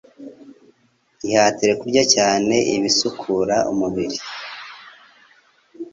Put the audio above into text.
Ihatire kurya cyane ibisukura umubiri